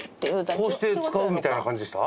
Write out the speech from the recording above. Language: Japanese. こうして使うみたいな感じでした？